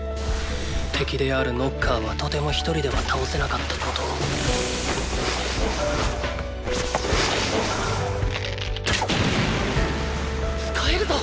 敵であるノッカーはとても一人では倒せなかったことをーー使えるぞ！